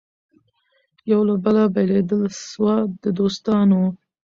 یو له بله بېلېدل سوه د دوستانو